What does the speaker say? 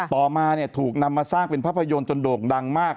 ต่อมาถูกนำมาสร้างเป็นภาพยนตร์จนโด่งดังมาก